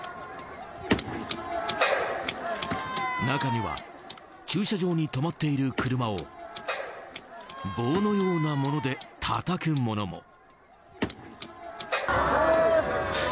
中には駐車場に止まっている車を棒のようなもので、たたく者も。